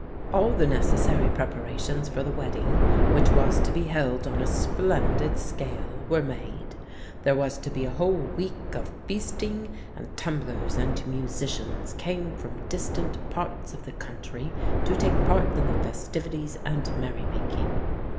"All the necessary preparations for the wedding, which was to be held on a splendid scale, were made. There was to be a whole week of feasting; and tumblers and musicians came from distant parts of the country to take part in the festivities and merry making.